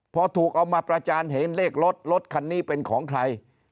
พอถูกเอามาประจานเห็นเลขรถรถคันนี้เป็นของใคร